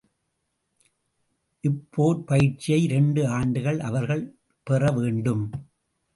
இப்போர்ப்பயிற்சியை இரண்டு ஆண்டுகள் அவர்கள் பெறவேண்டும்.